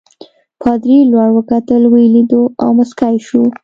پادري لوړ وکتل ویې لیدو او مسکی شو.